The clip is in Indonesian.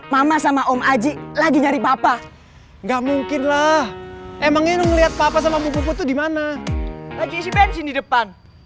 mama sama om aji lagi nyari papa nggak mungkin lah emangnya ngeliat papa sama buku putu di mana